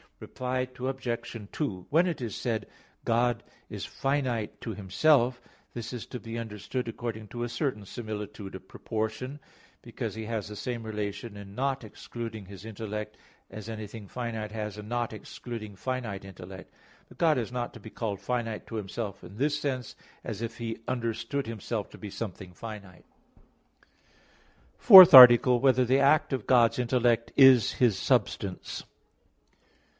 Reply Obj. 2: When it is said, "God is finite to Himself," this is to be understood according to a certain similitude of proportion, because He has the same relation in not exceeding His intellect, as anything finite has in not exceeding finite intellect. But God is not to be called finite to Himself in this sense, as if He understood Himself to be something finite. _______________________ FOURTH ARTICLE [I, Q. 14, Art. 4] Whether the Act of God's Intellect Is His Substance?